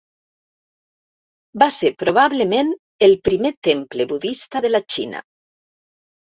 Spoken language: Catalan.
Va ser probablement el primer temple budista de la Xina.